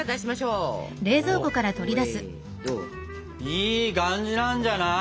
いい感じなんじゃない？